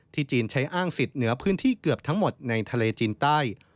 จีนใช้อ้างสิทธิ์เหนือพื้นที่เกือบทั้งหมดในทะเลจีนใต้